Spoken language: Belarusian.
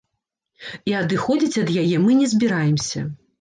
І адыходзіць ад яе мы не збіраемся.